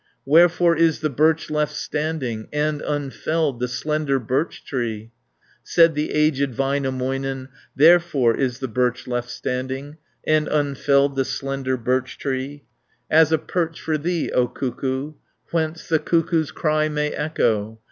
"Wherefore is the birch left standing, And unfelled the slender birch tree?" Said the aged Väinämöinen, "Therefore is the birch left standing, And unfelled the slender birch tree, As a perch for thee, O Cuckoo; Whence the cuckoo's cry may echo.